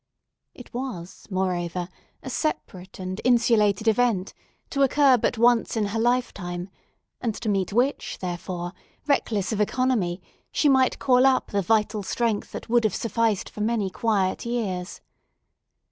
It was, moreover, a separate and insulated event, to occur but once in her lifetime, and to meet which, therefore, reckless of economy, she might call up the vital strength that would have sufficed for many quiet years.